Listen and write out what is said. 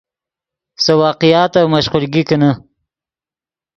سے واقعاتف مشقولگی کینے